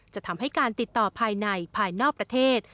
จะทำให้การติดต่อภายในภายนอกประเทศ